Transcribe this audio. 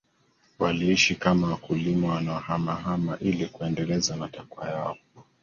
Waliishi kama wakulima wanaohamahama Ili kuendeleza matakwa yao